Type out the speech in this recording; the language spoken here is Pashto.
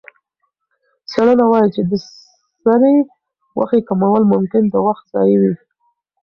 څېړنه وايي چې د سرې غوښې کمول ممکن د وخت ضایع وي.